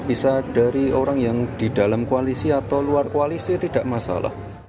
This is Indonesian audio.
bisa dari orang yang di dalam koalisi atau luar koalisi tidak masalah